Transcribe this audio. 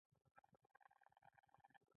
بیرته تاریخ ته را وګرځو.